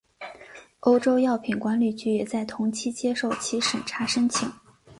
欧洲药品管理局也在同期接受其审查申请。